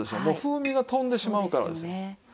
もう風味が飛んでしまうからです。